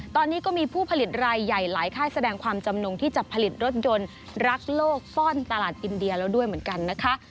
ตอนนี้ก็มีผู้ผลิตรายใหญ่หลายค่ายแสดงความจำนงที่จะผลิตรถยนต์รักโลกซ่อนตลาดอินเดียแล้วด้วยเหมือนกันนะคะ